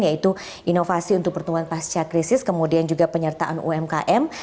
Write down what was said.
yaitu inovasi untuk pertumbuhan pasca krisis kemudian juga penyertaan umkm